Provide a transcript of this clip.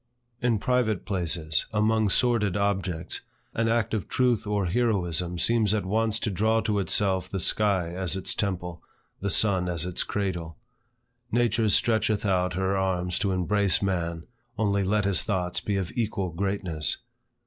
In private places, among sordid objects, an act of truth or heroism seems at once to draw to itself the sky as its temple, the sun as its candle. Nature stretcheth out her arms to embrace man, only let his thoughts be of equal greatness.